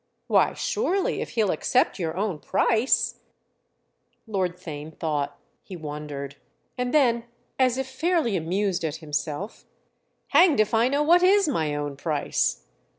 "Why surely if he'll accept your own price—!" Lord Theign thought—he wondered; and then as if fairly amused at himself: "Hanged if I know what is my own price!"